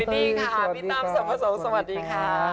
พี่ตั้มสมประสงค์สวัสดีค่ะ